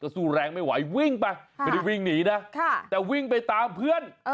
สู้แรงไม่ไหววิ่งไปไม่ได้วิ่งหนีนะแต่วิ่งไปตามเพื่อน